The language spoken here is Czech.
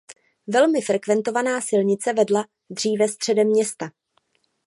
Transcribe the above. Velmi frekventovaná silnice vedla dříve středem města.